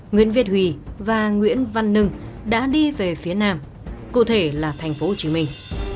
nguyễn việt và nguyễn văn nưng đã đi về phía nam cụ thể là thành phố hồ chí minh